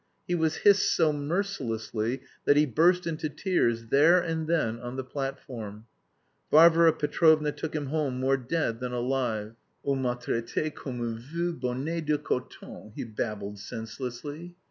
He was hissed so mercilessly that he burst into tears, there and then, on the platform. Varvara Petrovna took him home more dead than alive. "On m'a traité comme un vieux bonnet de coton," he babbled senselessly.